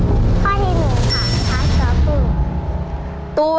ข้อที่หนึ่งค่ะช้างตัวผู้